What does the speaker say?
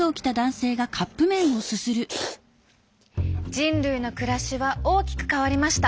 人類の暮らしは大きく変わりました。